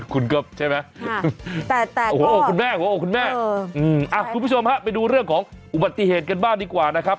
คุณก็ใช่ไหมโอ้โหคุณแม่คุณผู้ชมครับไปดูเรื่องของอุบัติเหตุกันบ้านดีกว่านะครับ